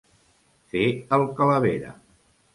Fer el calavera.